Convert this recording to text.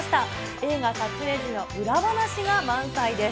映画撮影時の裏話が満載です。